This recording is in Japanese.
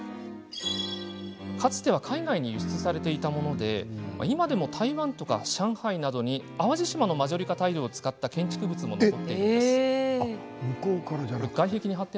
かつては、海外に輸出されていて今でも、台湾や上海などに淡路島のマジョリカタイルを使った建築物も残っています。